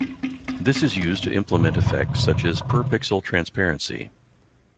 This is used to implement effects such as per-pixel transparency.